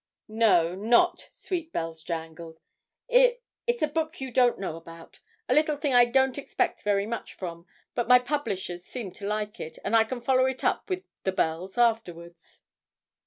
'No, not "Sweet Bells Jangled," it it's a book you don't know about a little thing I don't expect very much from, but my publishers seem to like it, and I can follow it up with the "Bells" afterwards.'